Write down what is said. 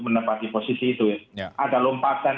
menepati posisi itu ada lompatan